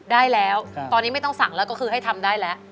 ได้แล้วตอนนี้ไม่ต้องสั่งแล้วก็คือให้ทำได้แล้ว